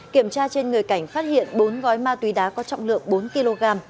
kiểm tra trên người cảnh phát hiện bốn gói ma túy đá có trọng lượng bốn kg